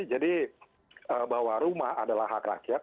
jadi bahwa rumah adalah hak rakyat